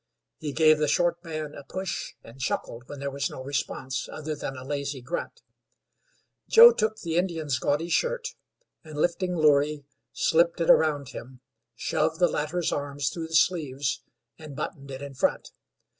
He gave the short man a push, and chuckled when there was no response other than a lazy grunt. Joe took the Indians' gaudy shirt, and, lifting Loorey, slipped it around him, shoved the latter's arms through the sleeves, and buttoned it in front.